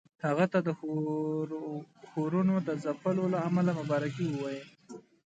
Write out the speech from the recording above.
هغه ته د ښورښونو د ځپلو له امله مبارکي ووايي.